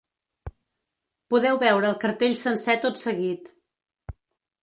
Podeu veure el cartell sencer tot seguit.